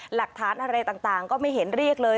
หลักฐานอะไรต่างก็ไม่เห็นเรียกเลย